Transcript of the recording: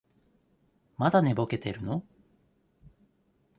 まだ寝ぼけてるの？